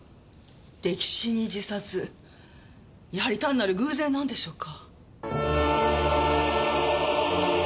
溺死に自殺やはり単なる偶然なんでしょうか。